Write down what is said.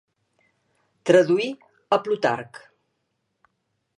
Traduí a Plutarc.